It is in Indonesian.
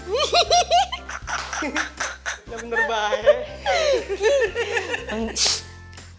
ya bener baik